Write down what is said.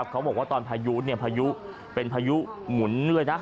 เขาบอกว่าตอนพยุนเนี่ยพยุเป็นพยุหมุนเลยนะ